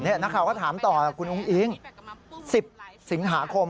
นักข่าวก็ถามต่อคุณอุ้งอิ๊ง๑๐สิงหาคม